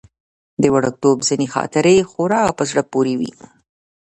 د وړکتوب ځينې خاطرې خورا په زړه پورې وي.